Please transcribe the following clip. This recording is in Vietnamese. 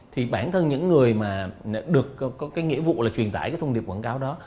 thì bản thân những người mà được có nghĩa vụ là truyền đải thông điệp quảng cáo đó